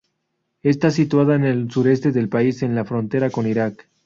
Está situada en el sureste del país, en la frontera con Irak.